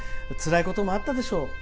つらいこともあったでしょう。